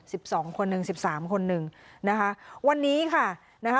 สองคนหนึ่งสิบสามคนหนึ่งนะคะวันนี้ค่ะนะคะ